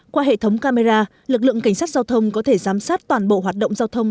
qua hệ thống camera lực lượng cảnh sát giao thông có thể giám sát toàn bộ hoạt động giao thông